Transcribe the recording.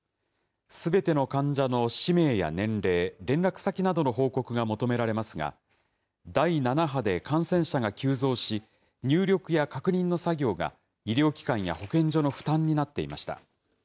すべての患者の氏名や年齢、連絡先などの報告が求められますが、第７波で感染者が急増し、入力や確認の作業が、医療機関や保健所の負担になっていました。